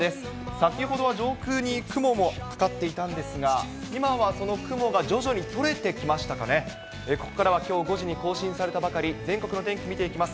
先ほどは上空に雲もかかっていたんですが、今はその雲が徐々に取れてきましたかね、ここからはきょう５時に更新されたばかり、全国の天気見ていきます。